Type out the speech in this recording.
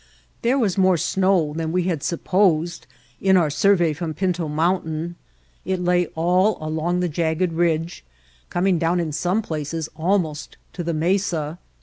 There was more snow than we had supposed in our survey from Pinto Mountain, it lay all along the jagged ridge, coming down in some places almost to the mesa.